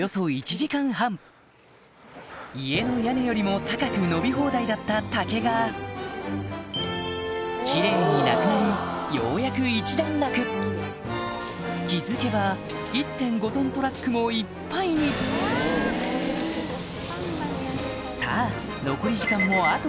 家の屋根よりも高く伸び放題だった竹がキレイになくなりようやく一段落気付けば１．５ｔトラックもいっぱいにさぁ残り時間もあと